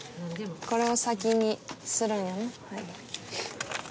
これを先にするんやね